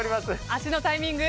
足のタイミング